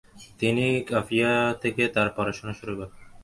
তিনি কাফিয়াহ থেকে তার পড়াশোনা শুরু করেন।